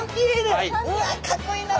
うわかっこいい名前！